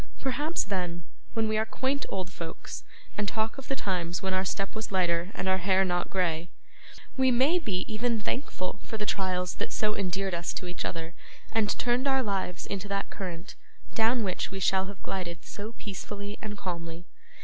Perhaps then, when we are quaint old folks and talk of the times when our step was lighter and our hair not grey, we may be even thankful for the trials that so endeared us to each other, and turned our lives into that current, down which we shall have glided so peacefully and calmly.